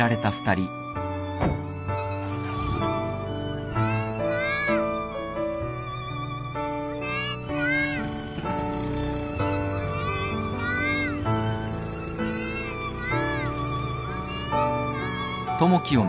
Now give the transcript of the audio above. お姉ちゃんお姉ちゃんお姉ちゃんお姉ちゃん。